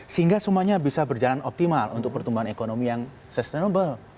sehingga semuanya bisa berjalan optimal untuk pertumbuhan ekonomi yang sustainable